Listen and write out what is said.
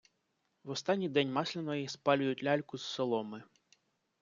В останній день Масляної спалюють ляльку з соломи.